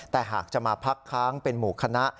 แต่หากจะมาพักค้างเป็นหมู่คณะ